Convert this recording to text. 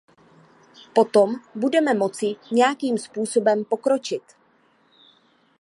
Potom budeme moci nějakým způsobem pokročit.